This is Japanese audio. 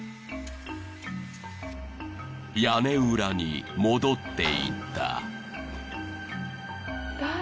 ［屋根裏に戻っていった］